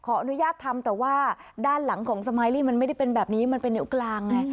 ขออนุญาตทำแต่ว่าด้านหลังของสมายลี่มันไม่ได้เป็นแบบนี้มันเป็นนิ้วกลางไง